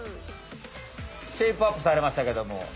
シェイプアップされましたけども。